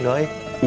diliat ya doi